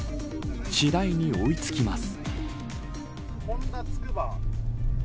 次第に追い付きます。